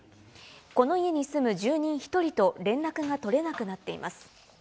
この家に住む住人１人と連絡が取れなくなっています。